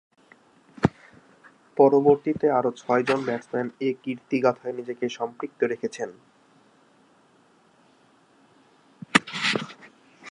পরবর্তীতে আরও ছয়জন ব্যাটসম্যান এ কীর্তিগাঁথায় নিজেকে সম্পৃক্ত রেখেছেন।